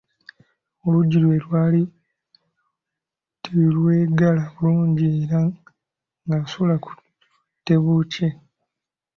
Oluggi lwe lwali terweggala bulungi era ng'asula ku tebuukye.